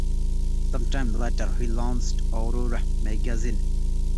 Some time later he launched "Aurora" magazine.